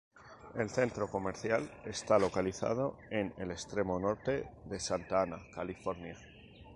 El centro comercial está localizado en el extremo norte de Santa Ana, California.